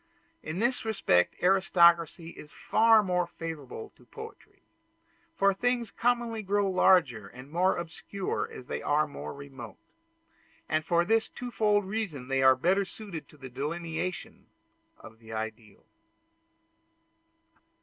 In this respect aristocracy is far more favorable to poetry; for things commonly grow larger and more obscure as they are more remote; and for this twofold reason they are better suited to the delineation of the ideal.